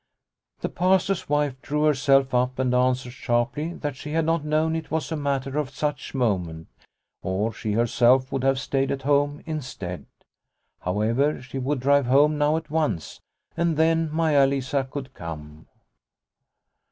The Bride's Dance 103 The Pastor's wife drew herself up and answered sharply that she had not known it was a matter of such moment, or she herself would have stayed at home instead. How ever, she would drive home, now at once, and then Maia Lisa could come.